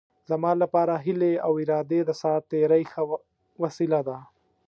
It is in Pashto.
زما لپاره هیلې او ارادې د ساعت تېرۍ ښه وسیله ده.